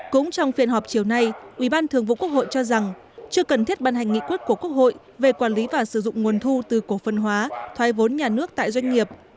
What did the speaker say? cũng trong phiên họp chiều nay ủy ban thường vụ quốc hội cho rằng chưa cần thiết ban hành nghị quyết của quốc hội về quản lý và sử dụng nguồn thu từ cổ phân hóa thoái vốn nhà nước tại doanh nghiệp